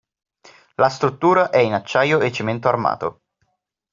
La struttura è in acciaio e cemento armato.